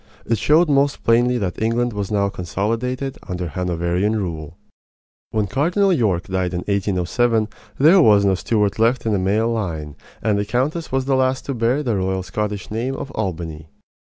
It showed most plainly that England was now consolidated under Hanoverian rule. When Cardinal York died, in 1807, there was no Stuart left in the male line; and the countess was the last to bear the royal Scottish name of Albany.